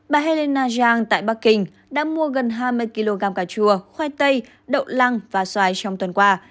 bà helenajang tại bắc kinh đã mua gần hai mươi kg cà chua khoai tây đậu lăng và xoài trong tuần qua